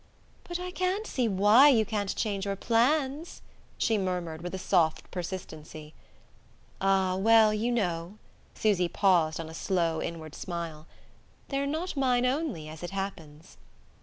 "But I can't see why you can't change your plans," she murmured with a soft persistency. "Ah, well, you know" Susy paused on a slow inward smile "they're not mine only, as it happens."